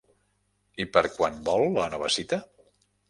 I per quan vol la nova cita?